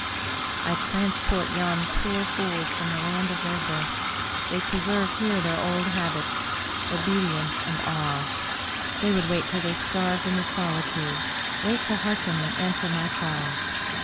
I transport yon poor fools from the land of their birth ; they preserve here their old habits— obedience and awe. They would wait till they starved in the solitude — wait to hearken and answer my call.